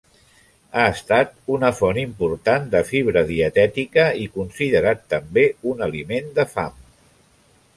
Ha estat una font important de fibra dietètica i considerat també un aliment de fam.